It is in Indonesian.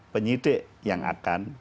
penyidik yang akan